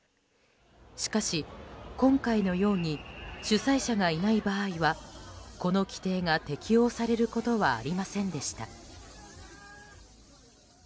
しかし、今回のように主催者がいない場合はこの規定が適用されることはありませんでした。